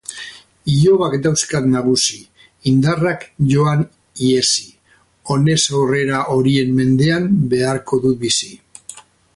Ilobak dauzkat nagusi, indarrak joan ihesi, honez aurrera horien mendean beharko dut bizi.